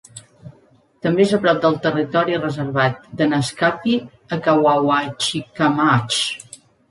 També és a prop del territori reservat de Naskapi a Kawawachikamach.